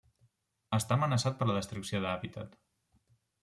Està amenaçat per la destrucció d'hàbitat.